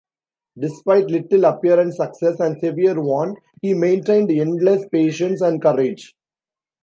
Despite little apparent success and severe want, he maintained endless patience and courage.